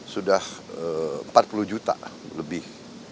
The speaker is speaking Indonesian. sudah empat puluh juta lebih